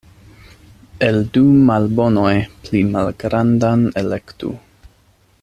El du malbonoj pli malgrandan elektu.